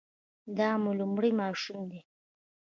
دا مو لومړی ماشوم دی؟